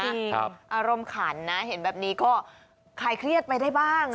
อารมณ์ขันนะเห็นแบบนี้ก็คลายเครียดไปได้บ้าง